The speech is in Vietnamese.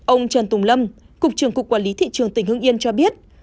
ông trần tùng lâm cục trưởng cục quản lý thị trường tỉnh hương yên cho biết